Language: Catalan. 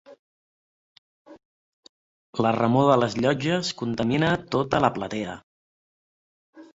La remor de les llotges contamina tota la platea.